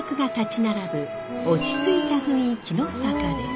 落ち着いた雰囲気の坂です。